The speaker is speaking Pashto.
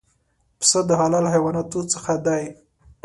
پسه د حلال حیواناتو څخه دی.